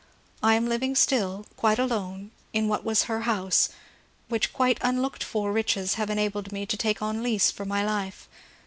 I am living still — quite alone — in what was her house, which quite unlooked for riches have enabled me to take on lease for my life.